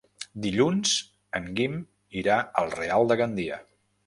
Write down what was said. Dilluns en Guim irà al Real de Gandia.